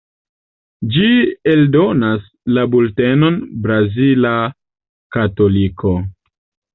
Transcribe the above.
Ĝi eldonas la bultenon "Brazila Katoliko".